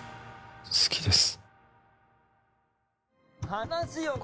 好きです。